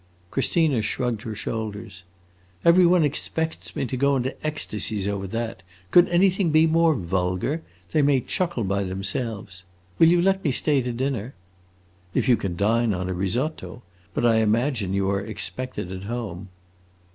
Christina shrugged her shoulders. "Every one expects me to go into ecstacies over that! Could anything be more vulgar? They may chuckle by themselves! Will you let me stay to dinner?" "If you can dine on a risotto. But I imagine you are expected at home."